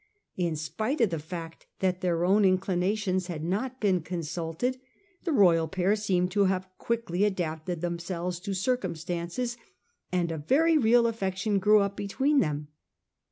In spite of the fact that their own inclinations had not been consulted, the royal pair seem to have quickly adapted themselves to circum stances, and a very real affection grew up between them.